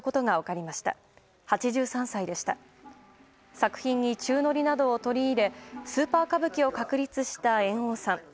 作品に宙乗りなどを取り入れスーパー歌舞伎を確立した猿翁さん。